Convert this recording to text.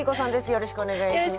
よろしくお願いします。